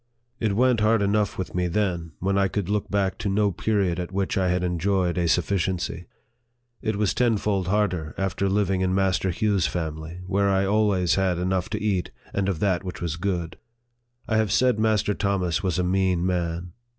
It went hard enough with me then, when I could look back to no period at which I had enjoyed a sufficiency. It was tenfold harder after living in Master Hugh's family, where I had always had enough to eat, and of that which was good. I have said Master Thomas was a mean man.